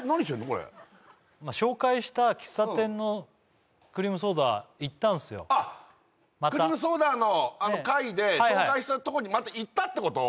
これ紹介した喫茶店のクリームソーダ行ったんすよまたクリームソーダの回で紹介したとこにまた行ったってこと？